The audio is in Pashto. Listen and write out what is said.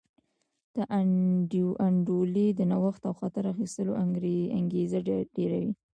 ناانډولي د نوښت او خطر اخیستلو انګېزه ډېروي.